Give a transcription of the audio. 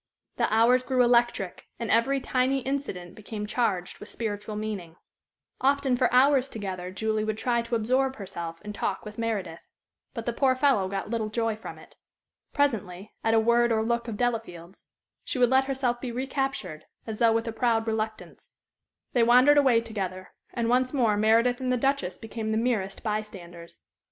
The hours grew electric, and every tiny incident became charged with spiritual meaning. Often for hours together Julie would try to absorb herself in talk with Meredith. But the poor fellow got little joy from it. Presently, at a word or look of Delafield's she would let herself be recaptured, as though with a proud reluctance; they wandered away together; and once more Meredith and the Duchess became the merest by standers.